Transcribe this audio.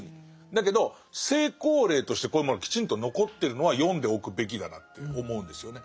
だけど成功例としてこういうものきちんと残ってるのは読んでおくべきだなって思うんですよね。